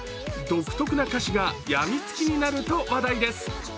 独特な歌詞が病みつきになると話題です。